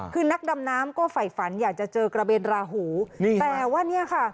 คือนักดำน้ำก็ฝ่ายฝันอยากจะเจอกระเบนราหูนี่แต่ว่าเนี่ยค่ะ